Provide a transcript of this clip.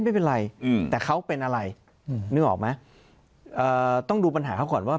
ไม่เป็นไรแต่เขาเป็นอะไรนึกออกไหมต้องดูปัญหาเขาก่อนว่า